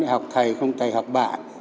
học thầy không thầy học bạn